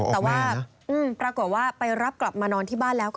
แต่ว่าปรากฏว่าไปรับกลับมานอนที่บ้านแล้ว